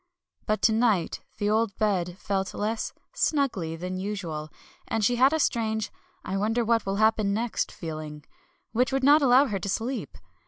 But to night the old bed felt less "snuggly" than usual, and she had a strange "I wonder what will happen next" feeling, which would not allow her to sleep.